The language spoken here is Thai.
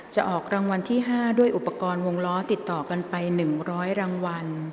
จะออกรางวัลที่๕ด้วยอุปกรณ์วงล้อติดต่อกันไป๑๐๐รางวัล